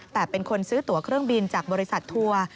แต่เป็นคนซื้อตัวเครื่องบินจากบริษัททัวร์